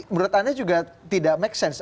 menurut anda juga tidak make sense